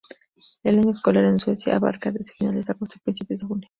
El año escolar en Suecia abarca desde finales de agosto a principios de junio.